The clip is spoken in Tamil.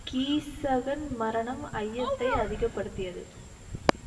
கீசகன் மரணம் ஐயத்தை அதிகப்படுத்தியது.